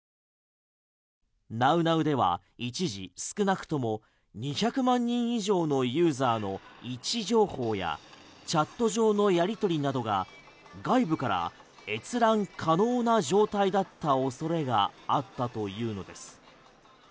ＮａｕＮａｕでは一時少なくとも２００万人以上のユーザーの位置情報やチャット上のやり取りなどが外部から閲覧可能な状態だった恐れがあったというのです。